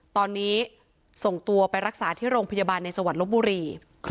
ตอนนี้ส่งตัวไปรักษาที่โรงพยาบาลในจังหวัดลบบุรี